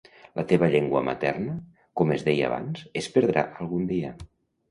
La teva llengua materna, com es deia abans, es perdrà algun dia.